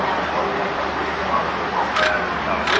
กลับมาที่นี่